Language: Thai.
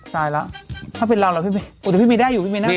จ่ายแล้วถ้าเป็นเราแล้วพี่โอ้แต่พี่ไม่ได้อยู่พี่ไม่น่าตาย